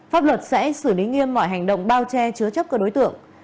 pháp luật sẽ xử lý nghiêm mọi hành động bao che chứa chấp các đối tượng